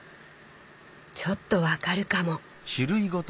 ちょっと分かるかも。